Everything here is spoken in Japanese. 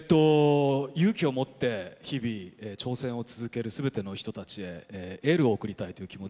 勇気を持って日々挑戦を続ける全ての人たちへエールを送りたいという気持ちで。